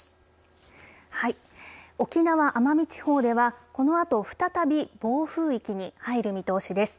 沖縄・奄美地方ではこのあと再び暴風域に入る見通しです。